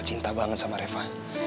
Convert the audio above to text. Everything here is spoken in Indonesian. cinta banget sama reva